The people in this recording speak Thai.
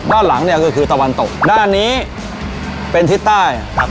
ด้านหลังเนี่ยก็คือตะวันตกด้านนี้เป็นทิศใต้ครับ